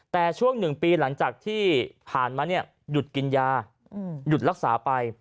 แต่ช่วง๑ปีหลังจากที่ผ่านมาหยุดกินยาหยุดรักษาไป